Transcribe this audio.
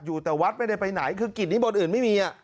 อยู่แต่วัดไม่ได้ไปไหนคือกิจนิมนต์อื่นไม่มี